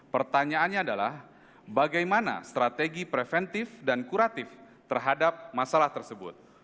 pertanyaannya adalah bagaimana strategi preventif dan kuratif terhadap masalah tersebut